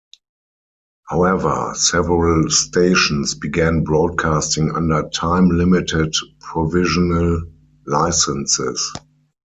However, several stations began broadcasting under time-limited provisional licenses.